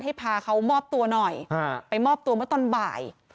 ให้พาเขามอบตัวหน่อยไปมอบตัวเมื่อตอนบ่าย